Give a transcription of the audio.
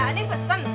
ada yang pesen